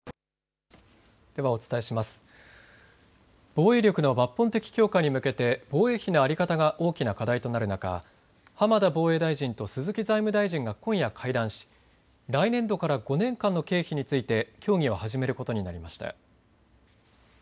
防衛力の抜本的強化に向けて防衛費の在り方が大きな課題となる中、浜田防衛大臣と鈴木財務大臣が今夜、会談し来年度から５年間の経費について協議を始めることになりました。